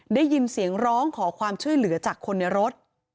ได้ยินเสียงร้องขอความช่วยเหลือจากคนในรถ